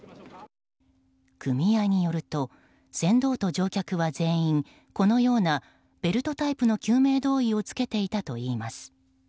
組合によると、船頭と乗客は全員このようなベルトタイプの救命胴衣を着けていたといいます。